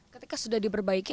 ketika sudah diperbaiki